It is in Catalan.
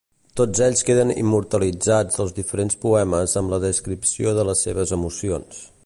Tots ells queden immortalitzats als diferents poemes amb la descripció de les seves emocions.